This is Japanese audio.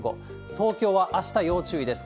東京はあした要注意です。